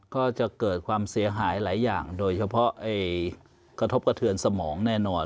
ก็จะเกิดความเสียหายหลายอย่างโดยเฉพาะกระทบกระเทือนสมองแน่นอน